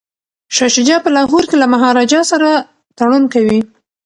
شاه شجاع په لاهور کي له مهاراجا سره تړون کوي.